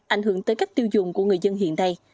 ảnh hưởng tới cách tiêu dùng của người dân hiện nay